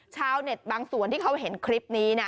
ชาวเน็ตบางส่วนที่เขาเห็นคลิปนี้